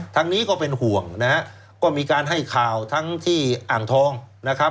ทางนี้ก็เป็นห่วงนะฮะก็มีการให้ข่าวทั้งที่อ่างทองนะครับ